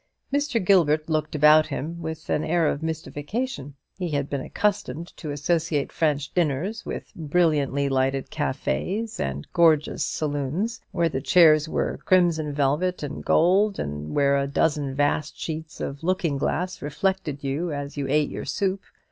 Mr. Gilbert looked about him with an air of mystification. He had been accustomed to associate French dinners with brilliantly lighted cafés and gorgeous saloons, where the chairs were crimson velvet and gold, and where a dozen vast sheets of looking glass reflected you as you ate your soup.